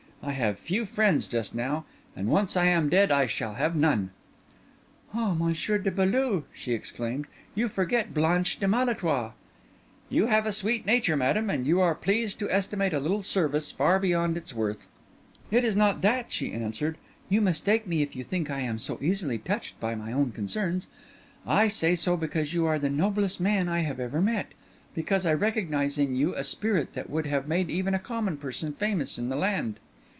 I have few friends just now, and once I am dead I shall have none." "Ah, Monsieur de Beaulieu!" she exclaimed, "you forget Blanche de Malétroit." "You have a sweet nature, madam, and you are pleased to estimate a little service far beyond its worth." "It is not that," she answered. "You mistake me if you think I am so easily touched by my own concerns. I say so, because you are the noblest man I have ever met; because I recognise in you a spirit that would have made even a common person famous in the land."